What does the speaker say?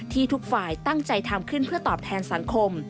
ทุกฝ่ายตั้งใจทำขึ้นเพื่อตอบแทนสังคม